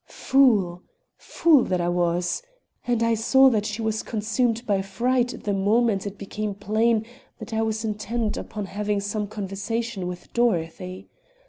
"Fool! fool that I was! And I saw that she was consumed by fright the moment it became plain that I was intent upon having some conversation with Dorothy.